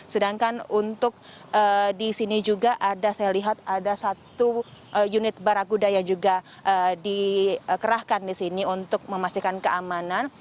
sedangkan untuk disini juga ada saya lihat ada satu unit baraguda yang juga dikerahkan disini untuk memastikan keamanan